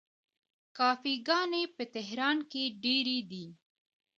کافې ګانې په تهران کې ډیرې دي.